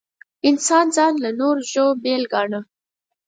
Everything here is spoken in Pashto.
انسان ځان له نورو ژوو بېل ګاڼه.